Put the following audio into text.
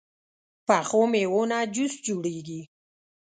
پخو میوو نه جوس جوړېږي